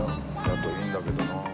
だといいんだけどなあ。